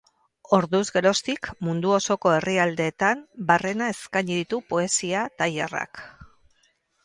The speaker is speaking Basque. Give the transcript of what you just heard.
Orduz geroztik, mundu osoko herrialdeetan barrena eskaini ditu poesia-tailerrak.